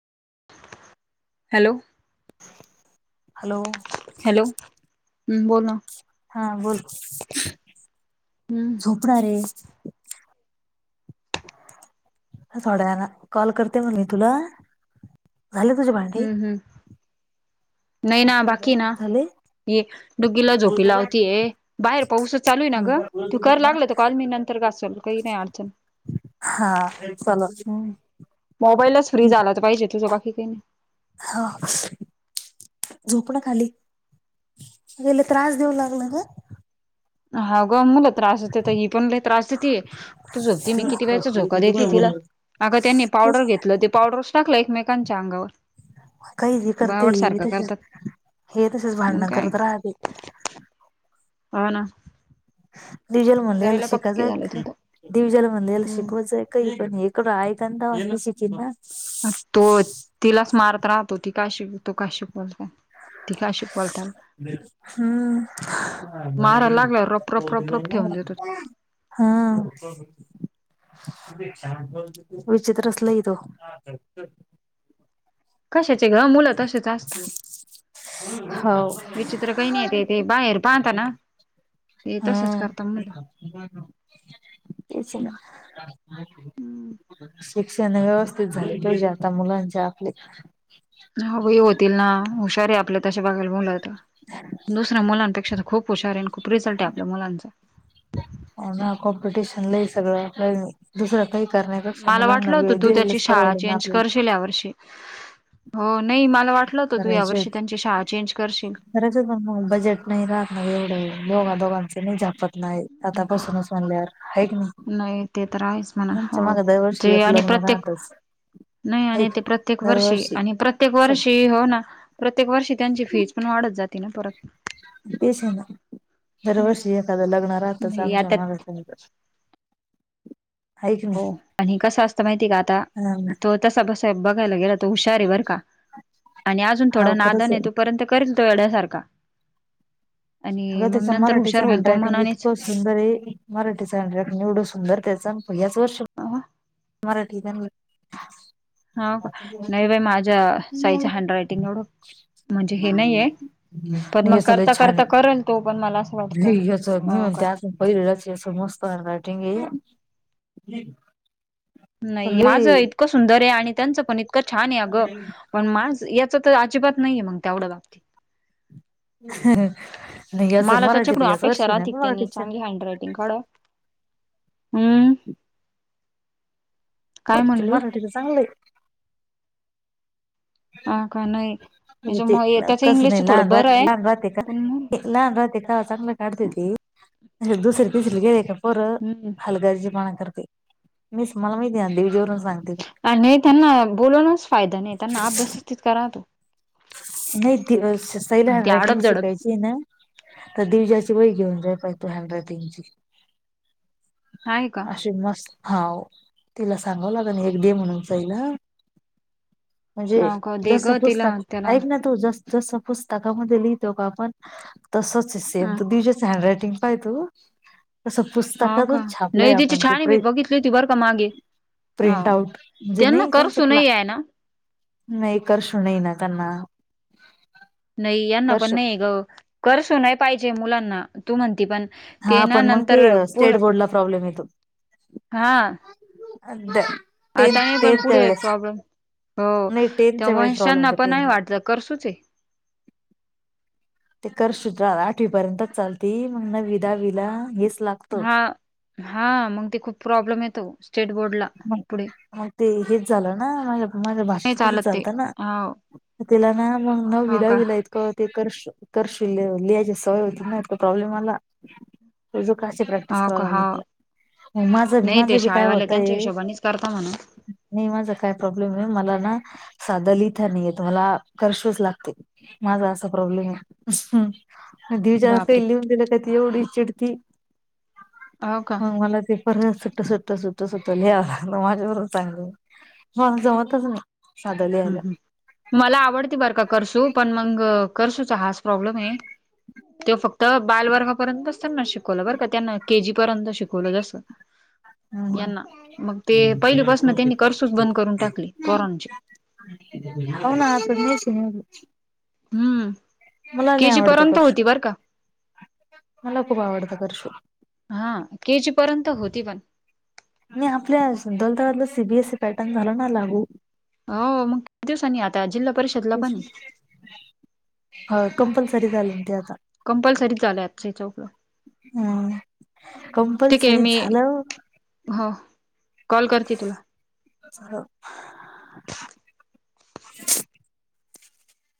Hello. Hello. Hello, हम्म बोल ना. हा बोल, हम्म झोपणारे. थोड्यावेळान कॉल करते मग मी तुला, झाले तुझे भांडे? नाहीना बाकी येना झाले डुग्गीला झोपी लावती ये बाहेर पाऊसच चालू आहेना ग, तू कर लागल तर कॉल मी नंत नंतर घासल काही नाही अडचण. हा चला हम्म, मोबाईलच फ्री झाला पाहिजे तुझं बाकी काही नाही. हा झोपणा खाली. लय त्रास देऊ लागला ग. हा गं मुलं त्रास देतात ही पण लय त्रास देतीये. तू झोपती, मी किती वेळेच झोका देतेय तिला अग त्यांनी ते पावडर घेतलं ते पावडर टाकलं एकमेकांच्या अंगावर. काय बी करतय बावड हीबी सारखं तशीच करतात हे तसेच मग भांडणं काय करत राहते. ह ना. [unintelligible] भांडण म्हणल ह्याला करायला पक्की शिकायचंय एक झाले ते आता हम [unintelligible] म्हणला ह्याला हम्म शिकवत जाय कहीपण एक राय कंद तव्हा शिकील ना? तो तिलाच मारत राहतो ती काय [unintelligible] ती काय शिकवाल त्याला. हम्. मारायला लागल्यावर रप रप रप रप ठेवून [inaudible] देतो हम्म. [inaudible] विचित्रच लय तो. कशाचे ग! मुलं तसेच असतात. हौ. विचित्र काय नायते तेे बाहेर पाहतना. हम्म [inaudible] तेच ना. शिक्षण व्यवस्थित झालं पाहिजे आता मुलांचे आपले. [unintelligible] होतील ना हुशार हाय आपल तशी बघायला मुलं तर [unintelligible] दुसऱ्या मुलापेक्षा तर खूप हुशार आणि खूप रिझल्ट आहे आपल्या मुलांचा. होना कॉम्पिटिशन सगळं आपलं. दुसर काही करण्या कक्षा मुलांना वेळ दिलेलाच परवड नाही आपल्याला. चू या वर्षी हो नाही मला वाटलं हो तू यावर्षी त्यांची शाळा चेंज करशील. करायचा आहे मग बजेट नाही राहत मग एवढं दोघा दोघांचे नाही झापत. नाही आतापसूनच म्हल्यार आहे का नाही ते तर आहेच म्हणा आमच्या हो माग दरवर्षी जे एक आणि लग्न प्रत्येक राहत. बस. नाही आणि ते प्रत्येक वर्षी आणि प्रत्य. प्रत्येक वर्षी हो ना प्रत्येक वर्षी त्यांची फीज पण वाढत जाती ना परत. तेश आहे ना. नाही दरवर्षी एखादं लग्न राहतच नाही आमच्या आता मागास. हो आणि कसं असतं माहितीय का आता नाही तो तसा बसा बघायला गेला तो हुशार आहे बर का. आणि अजून हा थोडं खरंच नादन आहे तोपर्यंत करेल तो येढ्यासारखा. आणि अगं मग त्याचं नंतर मराठीचं हुशार होईल तो हँडरायटिंग म्हनानेच. इतकं सुंदर आहे मराठीच हॅन्ड रायटिंग एवढं सुंदर त्याच याच पहि्याच वर्ष. हवा. मराठी. हव का नाही बाई माझ्या साईच हँड रायटिंग एवढ. म्हणजे हे नाहीय पण मग याच लय करता छान करता करेल तो पण मला असं वाटतं हो का. पहिरला मस्त हॅन्ड रायटिंग हे. नाही माझं इतकं सुंदर आहे आणि त्यांचं पण इतक छान आहे अगं. पण माझ याच तर अजिबात नाहीये मग तेवढ्या बाबतीत. नाही याच मला मराठीत त्याच्याकडून याच अपेक्षा वर्षी ना राहतील गं त्यांनी मराठीच्या चांगली हँड रायटिंग काढावं. हम्म. काय म्हणली मराठीच चांगलंय. हा का नाही त्याच म्हणजे ते मग कसं नाही इंग्लिशच थोडं लहान राह बरं आहे लहान राहते का पण मग. लहान राहते का चांगलं काढते ते दुसरी तिसरी गेले का पोरं हम्म हल. गरजेपणा करते मीच मला माहिती आहे ना देवजीवरून सांगते. आणि नाही त्यांना बोलवणच फायदा नाही त्यांना अभ्यासच तितका करा तो. नाही साईल हँड ते रायटिंग अडप जडप शिकायची. ना तर दिवजाची वही घेऊन जाय पाहिज त हँड रायटिंग ची. आहे का अशी मस्त हा तिला सांगाव लाग एक दे म्हणून सईला. म्हणजे हा का दे जसं ग तिला पुस्तक त्याला ऐक ना तू जस. जस पुस्तकामध्ये लिहितो का आपण तसच सेम दिशा हँड रायटिंग. पाय तो तस हा पुस्तकात का नाही छापलंय तिची आपण छान ते आहे मी प्र. बघितली होती बरं का मागे प्रिंट हो आउट म्हणजे त्यांना नाही त्याच करसू क्ला. नाही आहे ना नाही करसु नाही ना त्यांना. नाही यांना पण करशू नाहीये गं करसु नाही पाहिजे मुलांना तू म्हणती पण. हा ते ना पण मग ते नंतर पु स्टेट बोर्डला प्रॉब्लेम येतो. हा आग़्ग. आता नाही पण पुढे येइल प्रॉब्लेम. हो नाही ते टेनच्या वेळेस प्रॉब्लेम वंशांना येतो पण नाही टेनला. वाटत करसु चे ते करसु त आठवी पर्यंतच चालते मग नववी दहावीला हेच ला. हा हा मग ते खूप प्रॉब्लेम येतो स्टेट बोर्ड ला पुढे. हा ते हेच झालं ना माझ्या नाही भाषेत तसं चालत ते चालतं ना हो तिला ना मग नववी हो का दहावीला. क ते कर्सु लिहायची सवय होती ना तो प्रॉब्लेम आला. तुझ का आशी प्रॅक्टिस हो कराव का लागली हो तुला मग माझं बी नाही ते माझं बी काय शाळेवाले होत. त्यांच्या हिशोबानेच करता म्हणून नाही माझा काय प्रॉब्लेम नाही मला ना साध लिहिता नाही येत मला कर्सु च लागते माझा असा प्रॉब्लेम आहे बापरे हो का [inaudible] परत सुट्ट सुट्टं सुट्टं सुट लिहायं लागलं माझ्यावरून चांगलं मला जमतच नाही साधं ह लिहायला ह मला आवडती बरं का करसू पण मग करसुचा हाच प्रॉब्लेम आहे तो फक्त बाल वर्गापर्यंतच त्यांना शिकवलं बरं का त्यांना के जी पर्यंत शिकवलं हम्म यांना मग ते पहिलीपासून त्यांनी कर्सूच बंद करून टाकली पोरांची हो ना आता येच हम्म मला के नाही जी आवडत पर्यंत करसु होती बर का मला खूप आवडत करसु हा के जी पर्यंत होती पण आणि आपल्या दौलताबादला सीबीएससी पॅटर्न झाला ना लागू हो मग किती दिवसांनी आता जिल्हा परिषदला पण हा कंपल्सरी झाले म्ह ते आता कंपल्सरी झालय आज चौकलं हम् ठीक आहे कंपल्सरी मी झालं हो कॉल करते तुला हो [unintelligible]